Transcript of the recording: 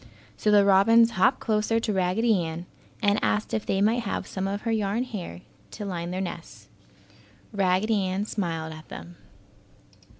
So the robins hopped closer to Raggedy Ann and asked if they might have some of her yarn hair to line their nest. Raggedy Ann smiled at them.